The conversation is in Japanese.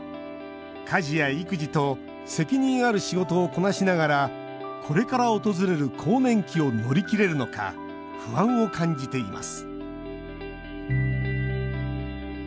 家事や育児と責任ある仕事をこなしながらこれから訪れる更年期を乗り切れるのか不安を感じています